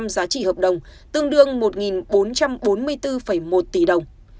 năm giá trị hợp đồng tương đương một bốn trăm bốn mươi bốn một tỷ đồng